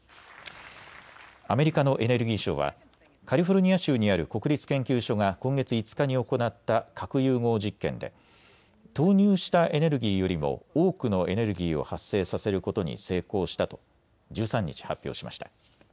アメリカのエネルギー省はカリフォルニア州にある国立研究所が今月５日に行った核融合実験で投入したエネルギーよりも多くのエネルギーを発生させることに成功したと１３日、発表しました。